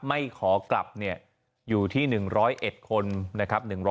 ไม่ขอกลับอยู่ที่๑๐๑คนนะครับ